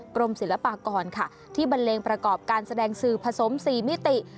กรมศิลปากรค่ะที่บันเลงประกอบการแสดงสื่อผสม๔มิติ